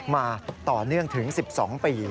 มาต่อเนื่องถึง๑๒ปี